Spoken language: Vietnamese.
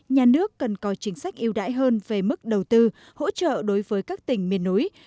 nhà nước cần có chính sách yêu đãi hơn về mức đầu tư hỗ trợ đối với các tỉnh miền núi